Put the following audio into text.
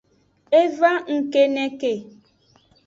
E va ngkeneke.